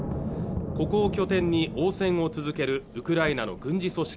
ここを拠点に応戦を続けるウクライナの軍事組織